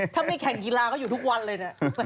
ถ้าไม่แข่งกีฬาก็อยู่ทุกวันเลยนะ